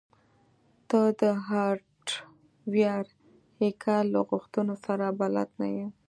ته د هارډویر هیکر له غوښتنو سره بلد نه یې